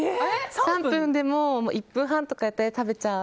３分でも１分半とかで食べちゃう。